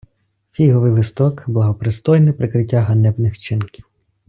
Фіговий листок — благопристойне прикриття ганебних вчинків